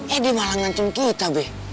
eh dia malah ngancun kita be